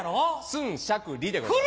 寸尺里でございます。